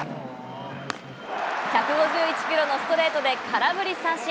１５１キロのストレートで空振り三振。